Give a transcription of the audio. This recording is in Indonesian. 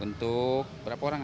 untuk berapa orang